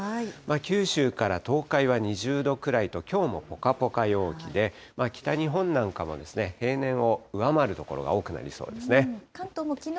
九州から東海は２０度くらいと、きょうもぽかぽか陽気で、北日本なんかも平年を上回る所が多くなりそうですね。